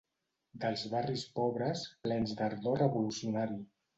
Dels barris pobres, plens d'ardor revolucionari